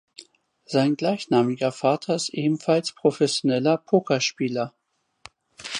Sein gleichnamiger Vater ist ebenfalls professioneller Pokerspieler.